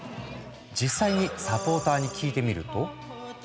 実際にサポーターに聞いてみると。